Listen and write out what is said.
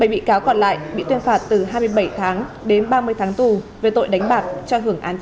bảy bị cáo còn lại bị tuyên phạt từ hai mươi bảy tháng đến ba mươi tháng tù về tội đánh bạc cho hưởng án treo